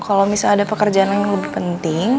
kalau misalnya ada pekerjaan yang lebih penting